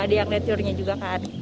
ada yang nature nya juga kan